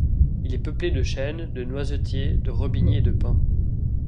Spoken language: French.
Il est peuplé de chênes, de noisetiers, de robiniers et de pins.